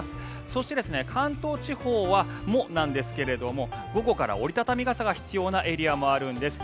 そして、関東地方もなんですが午後から折り畳み傘が必要なエリアもあるんです。